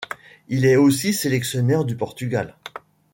Il est aussi sélectionneur du Portugal.